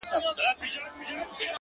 • مه کوه گمان د ليوني گلي ،